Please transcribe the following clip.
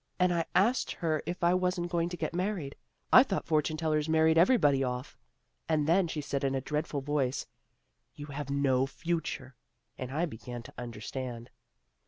And I asked her if I wasn't going to get married. I thought fortune tellers married everybody off. And then she said in a dreadful voice, ' You have no future,' and I began to understand."